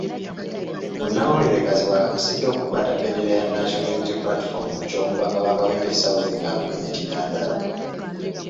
Munnamawulire Kazibwe akakasiddwa okukwata bbendera ya National Unity Platform ku ky'omubaka wa Kawempe South ng'avuganya Kidandala.